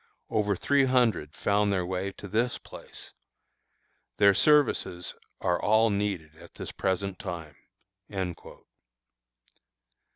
Over three hundred found their way to this place. Their services are all needed at this present time."